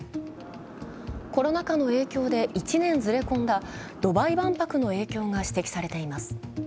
コロナ禍の影響で１年ずれこんだドバイ万博の影響が指摘されています。